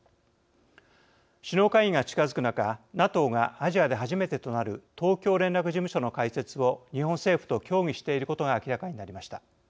首脳会議が近づく中ＮＡＴＯがアジアで初めてとなる東京連絡事務所の開設を日本政府と協議していることが明らかになりました。